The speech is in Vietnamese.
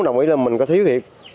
đồng ý là mình có thiếu thiệt